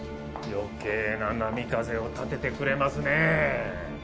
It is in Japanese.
余計な波風を立ててくれますね。